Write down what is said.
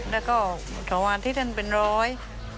แล้วก็ธรรมดาที่ถึงเป็นร้อย